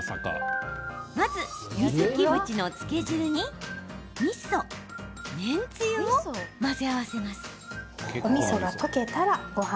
まず水キムチの漬け汁にみそ、麺つゆを混ぜ合わせます。